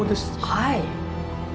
はい。